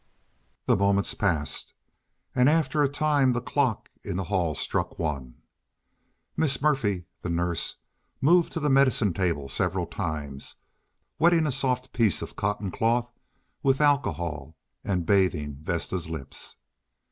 The moments passed, and after a time the clock in the hall struck one. Miss Murfree, the nurse, moved to the medicine table several times, wetting a soft piece of cotton cloth with alcohol and bathing Vesta's lips.